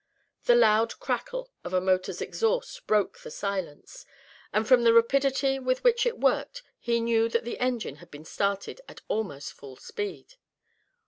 The loud crackle of a motor's exhaust broke the silence; and from the rapidity with which it worked he knew that the engine had been started at almost full speed.